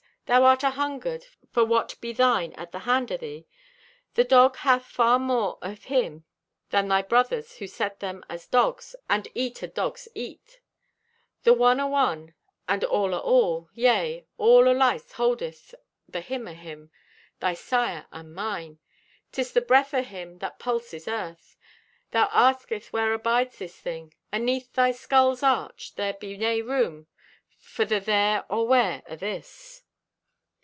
_—"Thou art ahungered for what be thine at the hand o' thee. Thy dog hath far more o' Him than thy brothers who set them as dogs and eat o' dog's eat. The One o' One, the All o' All, yea, all o' life holdeth the Him o' Him, thy Sire and mine! 'Tis the breath o' Him that pulses earth. Thou asketh where abides this thing. Aneath thy skull's arch there be nay room for the there or where o' this!"